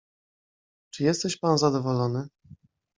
"Czy jesteś pan zadowolony?"